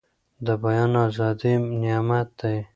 د بيان ازادي نعمت دی.